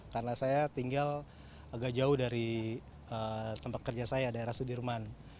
karena saya tinggal agak jauh dari tempat kerja saya daerah sudirman